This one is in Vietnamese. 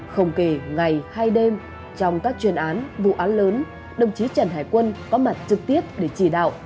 không kể ngày hay đêm trong các chuyên án vụ án lớn đồng chí trần hải quân có mặt trực tiếp để chỉ đạo